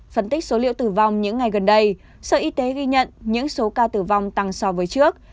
phân tích số liệu tử vong những ngày gần đây sở y tế ghi nhận những số ca tử vong tăng so với trước